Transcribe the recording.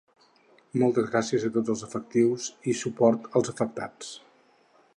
Moltes gràcies a tots els efectius i suport als afectats.